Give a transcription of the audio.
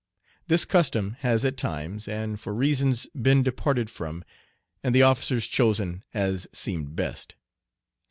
This custom has at times, and for reasons, been departed from, and the officers chosen as seemed best.